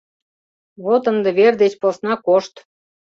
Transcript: Вот ынде вер деч посна кошт.